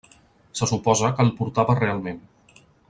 Se suposa que el portava realment.